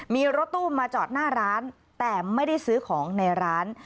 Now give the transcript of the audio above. มีรถตู้มาจอดหน้าร้านแต่ไม่ได้ซื้อของในร้าน